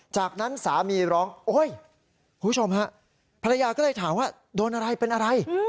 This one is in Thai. จากนั้นสามีร้องโอ๊ยคุณผู้ชมฮะภรรยาก็เลยถามว่าโดนอะไรเป็นอะไร